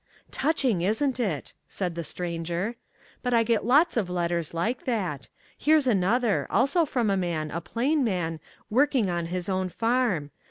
"Touching, isn't it?" said the Stranger. "But I get lots of letters like that. Here's another, also from a man, a plain man, working on his own farm.